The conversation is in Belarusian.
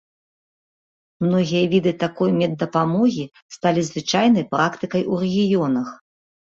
Многія віды такой меддапамогі сталі звычайнай практыкай у рэгіёнах.